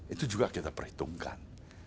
itu juga kita perhitungkan